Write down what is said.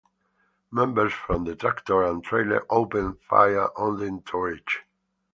Members from the tractor and trailer opened fire on the entourage.